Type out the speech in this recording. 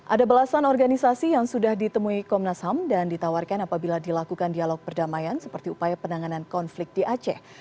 ada belasan organisasi yang sudah ditemui komnas ham dan ditawarkan apabila dilakukan dialog perdamaian seperti upaya penanganan konflik di aceh